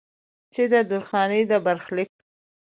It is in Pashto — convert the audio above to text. چې د درخانۍ د برخليک